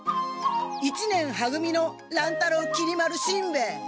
一年は組の乱太郎きり丸しんべヱ！